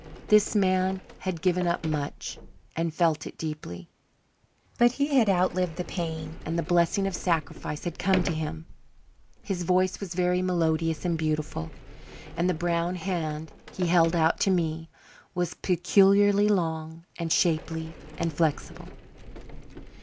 This man had given up much and felt it deeply; but he had outlived the pain and the blessing of sacrifice had come to him. His voice was very melodious and beautiful, and the brown hand he held out to me was peculiarly long and shapely and flexible.